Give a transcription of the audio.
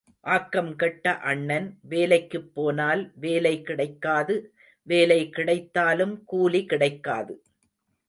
ஆக்கம் கெட்ட அண்ணன் வேலைக்குப் போனால் வேலை கிடைக்காது வேலை கிடைத்தாலும் கூலி கிடைக்காது.